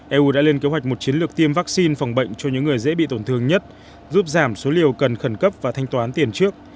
eu đã lên kế hoạch một chiến lược tiêm vaccine phòng bệnh cho những người dễ bị tổn thương nhất giúp giảm số liều cần khẩn cấp và thanh toán tiền trước